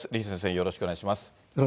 よろしくお願いします。